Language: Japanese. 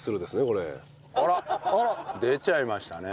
あら！出ちゃいましたね。